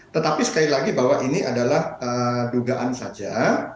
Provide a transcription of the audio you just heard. tetapi sekali lagi bahwa ini adalah dugaan saja